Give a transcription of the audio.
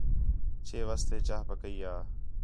چھے واسطے چاہ پکئی یا